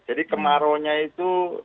jadi kemarau nya itu